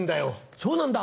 そうなんだ。